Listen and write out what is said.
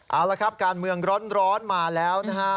เอาละครับการเมืองร้อนมาแล้วนะฮะ